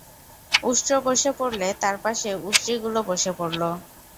উষ্ট্র বসে পড়লে তার পাশে উষ্ট্রীগুলো বসে পড়ল।